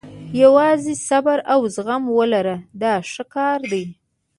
یوازې صبر او زغم ولره دا ښه کار دی.